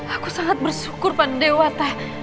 aku sangat bersyukur pada dewata